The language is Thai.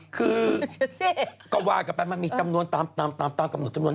คือก็ว่ากันไปมันมีจำนวนตามกำหนดจำนวน